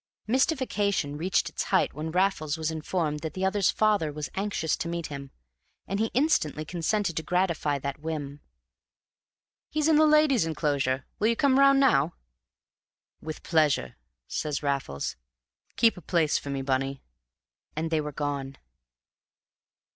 Mystification reached its height when Raffles was informed that the other's father was anxious to meet him, and he instantly consented to gratify that whim. "He's in the Ladies' Enclosure. Will you come round now?" "With pleasure," says Raffles. "Keep a place for me, Bunny." And they were gone.